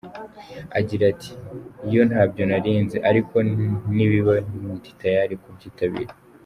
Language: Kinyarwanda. Agira ati “Yo ntabyo narinzi ariko nibiba ndi tayari kubyitabira.